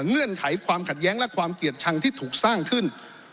เงื่อนไขความขัดแย้งและความเกลียดชังที่ถูกสร้างขึ้น